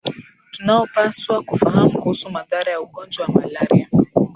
tunaopaswa kufahamu kuhusu madhara ya ugonjwa wa malaria